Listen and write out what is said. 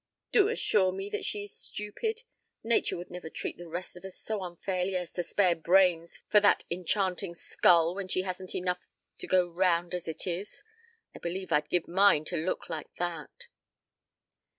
Do assure me that she is stupid! Nature would never treat the rest of us so unfairly as to spare brains for that enchanting skull when she hasn't enough to go round as it is. I believe I'd give mine to look like that."